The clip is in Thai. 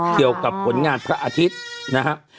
เกี่ยวกับผลงานพระอาทิตย์นะครับ